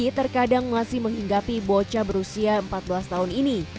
ini terkadang masih menghinggapi bocah berusia empat belas tahun ini